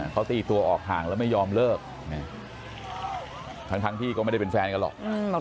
เขาตีตัวออกห่างแล้วไม่ยอมเลิกทั้งที่ก็ไม่ได้เป็นแฟนกันหรอก